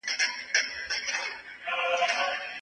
دا لاره په مستقیم ډول د غره سر ته تللې ده.